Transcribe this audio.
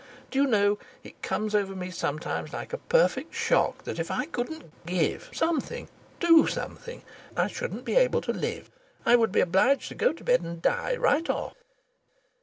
D'you know, it comes over me sometimes like a perfect shock that if I couldn't give something, do something, I shouldn't be able to live; I would be obliged to go to bed and die right off."